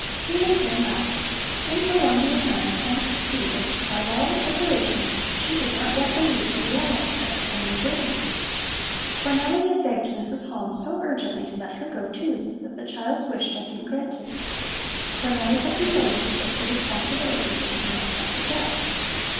Trina came last. In her wondering eyes one could see that despite all the preparations she did not yet believe the reality of the coming journey. Cornelli had begged Mrs. Halm so urgently to let her go, too, that the child's wish had been granted. Cornelli had been willing to take the responsibility for the unexpected guest.